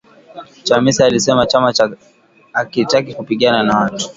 Chamisa alisema chama chake hakitaki kupigana na watu.